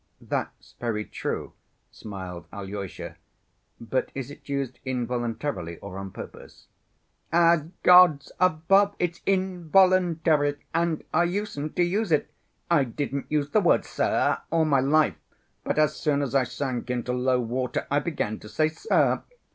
"That's very true," smiled Alyosha. "But is it used involuntarily or on purpose?" "As God's above, it's involuntary, and I usen't to use it! I didn't use the word 'sir' all my life, but as soon as I sank into low water I began to say 'sir.